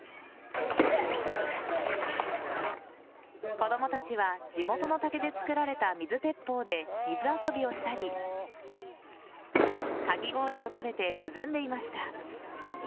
子供たちは地元の竹で作られた水鉄砲で水遊びをしたりかき氷を食べて涼んでいました。